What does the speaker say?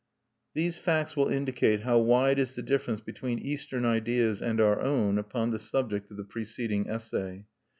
These facts will indicate how wide is the difference between Eastern ideas and our own upon the subject of the preceding essay.